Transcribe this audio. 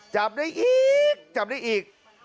จับได้อีกจับได้อีก